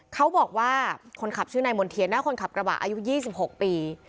เขาบอกว่าคนขับชื่อนายมณ์เทียนหน้าคนขับกระบะอายุ๒๖ปี